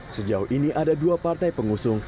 sejauh ini ada dua partai pengusung